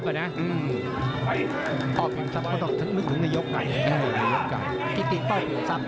กิจินเป้าเผลี่ยมทรัพย์